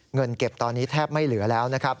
เงินเก็บตอนนี้แทบไม่เหลือแล้วนะครับ